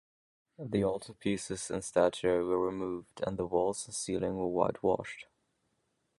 The altarpieces and statuary were removed, and the walls and ceiling were white washed.